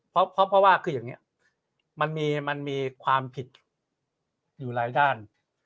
เพราะว่าคืออย่างนี้มันมีความผิดอยู่หลายด้าน